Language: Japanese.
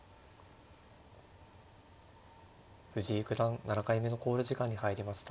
藤井九段７回目の考慮時間に入りました。